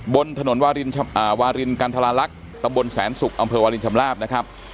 บนถนนวารินกันทราลักษณ์ตำบลแสนศุกร์อำเภอวาลินชำลาบนะครับ